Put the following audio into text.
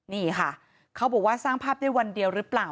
นี่ค่ะเขาบอกว่าสร้างภาพได้วันเดียวหรือเปล่า